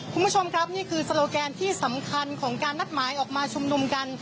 คุณผู้ชมครับนี่คือโซโลแกนที่สำคัญของการนัดหมายออกมาชุมนุมกัน